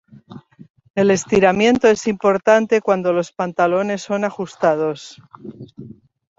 El estiramiento es importante cuando los pantalones son ajustados.